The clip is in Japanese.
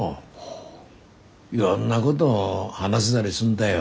いろんなごど話せだりすんだよ。